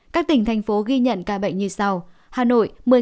các tỉnh thành phố ghi nhận ca bệnh như sau